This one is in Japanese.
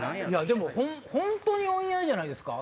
本当にお似合いじゃないですか？